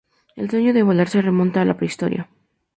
El sueño de volar se remonta a la prehistoria.